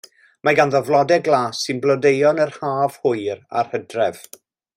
Mae ganddo flodau glas sy'n blodeuo yn yr haf hwyr a'r hydref.